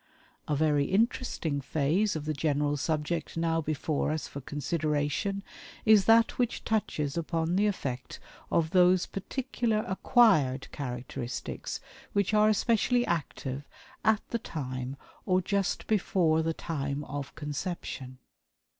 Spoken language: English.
A very interesting phase of the general subject now before us for consideration is that which touches upon the effect of those particular acquired characteristics which are especially active at the time, or just before the time of conception.